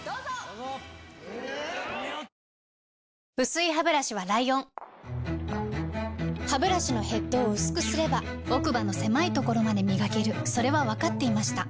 薄いハブラシはライオンハブラシのヘッドを薄くすれば奥歯の狭いところまで磨けるそれは分かっていました